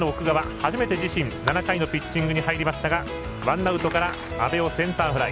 初めて自身７回のピッチングに入りましたがワンアウトから阿部をセンターフライ。